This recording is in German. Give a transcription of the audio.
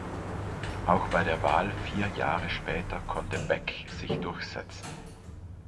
Auch bei der Wahl vier Jahre später konnte Beckh sind durchsetzen.